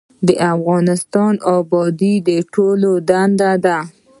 د افغانستان ابادي د ټولو دنده ده